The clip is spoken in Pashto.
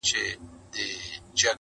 چي ستا ديدن وي پكي كور به جوړ سـي.